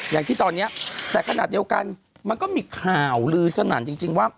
อย่างที่ตอนนี้แต่ขนาดเดียวกันมันก็มีข่าวลือสนั่นจริงว่า